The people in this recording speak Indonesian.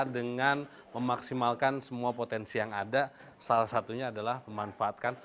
dengan memaksimalkan semua potensi yang ada salah satunya adalah memanfaatkan